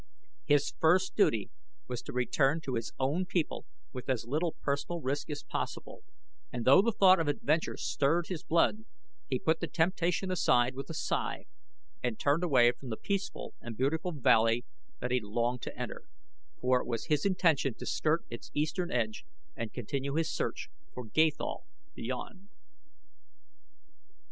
His first duty was to return to his own people with as little personal risk as possible, and though the thought of adventure stirred his blood he put the temptation aside with a sigh and turned away from the peaceful and beautiful valley that he longed to enter, for it was his intention to skirt its eastern edge and continue his search for Gathol beyond.